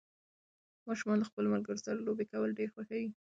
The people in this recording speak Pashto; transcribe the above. ماشومان له خپلو ملګرو سره لوبې کول ډېر خوښوي